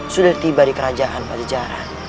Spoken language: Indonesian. sudah tiba di kerajaan pada jalan